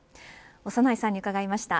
長内さんに伺いました。